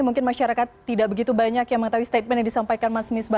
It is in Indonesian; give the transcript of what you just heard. mungkin masyarakat tidak begitu banyak yang mengetahui statement yang disampaikan mas misbah